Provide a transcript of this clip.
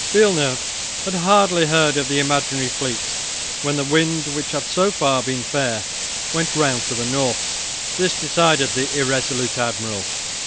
Villeneuve had hardly heard of the imaginary fleet when the wind, which had so far been fair, went round to the north. This decided the irresolute admiral.